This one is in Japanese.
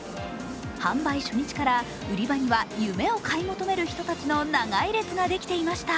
販売初日から売り場には夢を買い求める人たちの長い列ができていました。